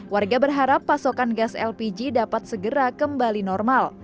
warga berharap pasokan gas lpg dapat segera kembali normal